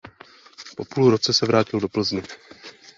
Po půl roce se vrátil do Plzně.